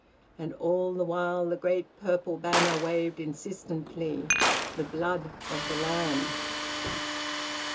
And all the while the great purple banner waved insistently: "The Blood of the Lamb."